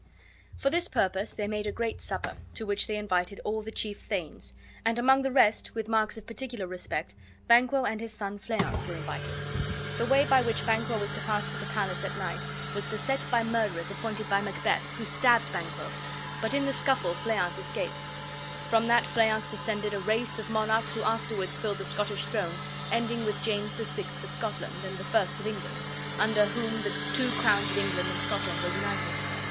For this purpose they made a great supper, to which they invited all the chief thanes; and among the rest, with marks of particular respect, Banquo and his son Fleance were invited. The way by which Banquo was to pass to the palace at night was beset by murderers appointed by Macbeth, who stabbed Banquo; but in the scuffle Fleance escaped. From that Fleance descended a race of monarchs who afterward filled the Scottish throne, ending with James the Sixth of Scotland and the First of England, under whom the two crowns of England and Scotland were united.